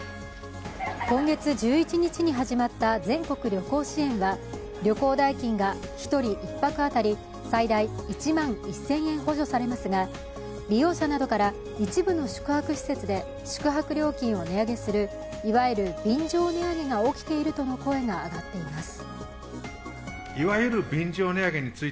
今月１１日に始まった全国旅行支援は旅行代金が１人１泊当たり最大１万１０００円補助されますが利用者などから一部の宿泊施設で宿泊料金を値上げするいわゆる便乗値上げが起きているとの声が上がっています。